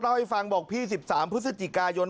เล่าให้ฟังบอกพี่๑๓พฤศจิกายน